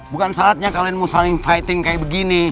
bukan saatnya kalian mau saling fighting kayak begini